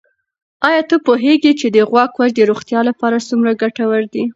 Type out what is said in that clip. آیا ته پوهېږې چې د غوا کوچ د روغتیا لپاره څومره ګټور دی؟